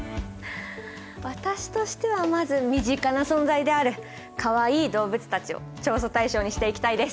私としてはまず身近な存在であるかわいい動物たちを調査対象にしていきたいです。